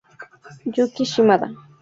Yuki Shimada